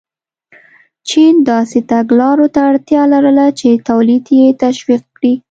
چین داسې تګلارو ته اړتیا لرله چې تولید یې تشویق کړي.